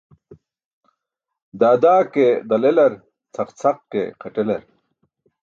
Da da ke dal elar, cʰaq cʰaq ke xaṭ elar.